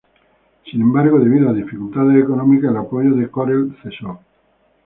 Sin embargo, debido a dificultades económicas, el apoyo de Corel cesó.